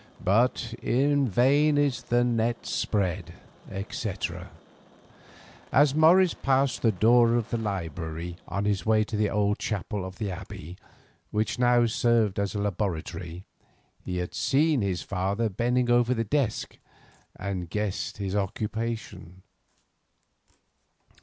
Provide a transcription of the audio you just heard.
But "in vain is the net spread," etc. As Morris passed the door of the library on his way to the old chapel of the Abbey, which now served him as a laboratory, he had seen his father bending over the desk and guessed his occupation.